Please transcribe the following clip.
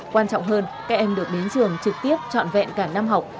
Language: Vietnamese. quan trọng hơn các em được đến trường trực tiếp trọn vẹn cả năm học